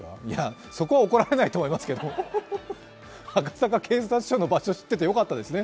そこは怒られないと思うけど、赤坂警察署の場所を知っててよかったですね。